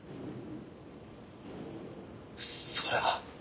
それは。